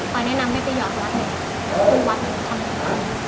ก็แนะนำให้ไปหยอดรัฐหนึ่งรูปรัฐหนึ่งความสุข